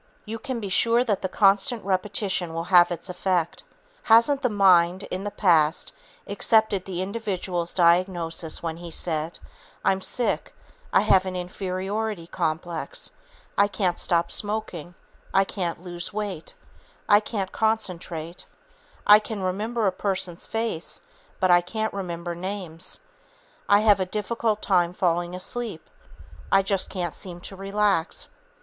You can be sure that the constant repetition will have its effect. Hasn't the mind, in the past, accepted the individual's diagnosis when he said, "I'm sick," "I have an inferiority complex," "I can't stop smoking," "I can't lose weight," "I can't concentrate," "I can remember a person's face, but I can't remember names," "I have a difficult time falling asleep," "I just can't seem to relax."